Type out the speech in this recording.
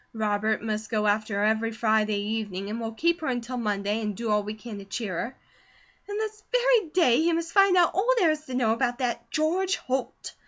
Robert must go after her every Friday evening, and we'll keep her until Monday, and do all we can to cheer her; and this very day he must find out all there is to know about that George Holt.